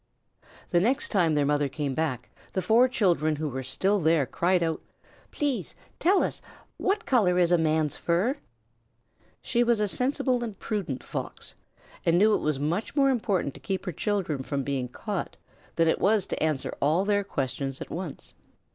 The next time their mother came back, the four children who were still there cried out, "Please tell us, what color is a man's fur?" She was a sensible and prudent Fox, and knew it was much more important to keep her children from being caught than it was to answer all their questions at once.